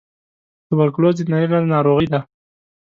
توبرکلوز د نري رنځ ناروغۍ ده.